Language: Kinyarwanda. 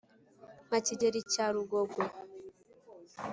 nka kigeli cya rugogwe.